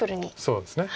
そうですね。